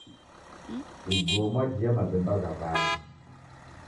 Iguo mwajie mabemba gha w'andu.